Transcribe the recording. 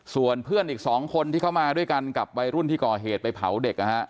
ส่วนเพื่อนอีก๒คนที่เข้ามาด้วยกันกับวัยรุ่นที่ก่อเหตุไปเผาเด็ก